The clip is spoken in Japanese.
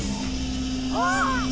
あっ！